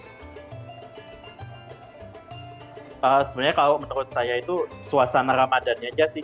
sebenarnya kalau menurut saya itu suasana ramadannya aja sih